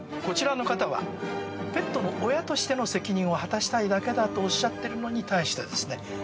こちらの方はペットの親としての責任を果たしたいだけだとおっしゃってるのに対してですね